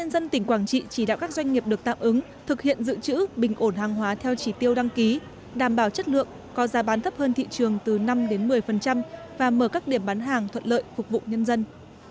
các doanh nghiệp được tạo ứng thực hiện dự trữ bình ổn hàng hóa theo chỉ tiêu đăng ký đảm bảo chất lượng có giá bán thấp hơn thị trường từ năm một mươi và mở các điểm bán hàng thuận lợi phục vụ nhân dân